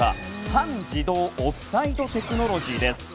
半自動オフサイドテクノロジーです。